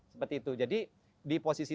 seperti itu jadi di posisi